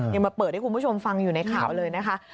ยังมาเปิดให้คุณผู้ชมฟังอยู่ในข่าวเลยนะคะ